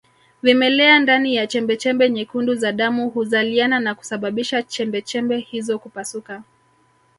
Vimelea ndani ya chembechembe nyekundu za damu huzaliana na kusababisha chembechembe hizo kupasuka